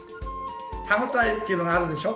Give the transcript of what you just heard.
歯応えっていうのがあるでしょ？